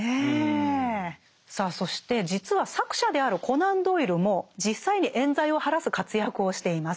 さあそして実は作者であるコナン・ドイルも実際に冤罪を晴らす活躍をしています。